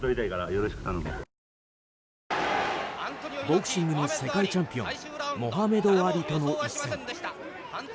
ボクシングの世界チャンピオンモハメド・アリとの一戦。